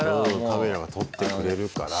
カメラが撮ってくれるから。